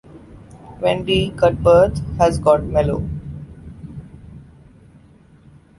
Wendy Cuthbert has got mellow.